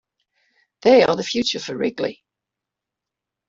They are the future for Wrigley.